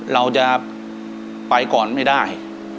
เราจะไปก่อนไม่ได้